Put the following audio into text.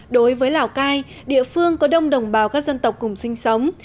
đối với lào cai địa phương có đông đồng bào các dân tộc cùng sinh sống